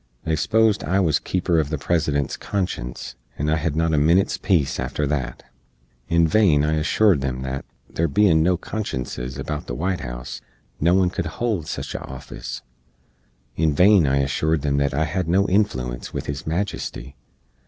They sposed I was keeper uv the President's conscience, and I hed not a minit's peece after that. In vain I ashoored em that, there bein no consciences about the White House, no one could hold sich a offis; in vain I ashoored em that I hed no influence with His Majesty.